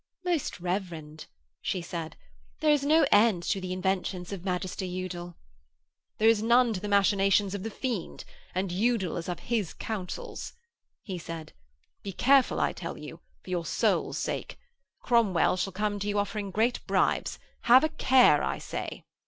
'Most Reverend,' she said, 'there is no end to the inventions of Magister Udal.' 'There is none to the machinations of the fiend, and Udal is of his councils,' he said. 'Be careful, I tell you, for your soul's sake. Cromwell shall come to you offering you great bribes. Have a care I say!'